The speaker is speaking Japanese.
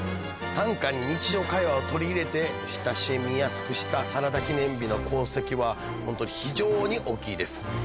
短歌に日常会話を取り入れて親しみやすくした『サラダ記念日』の功績はホントに非常に大きいです。